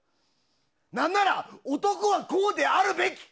なんなら男はこうであるべき！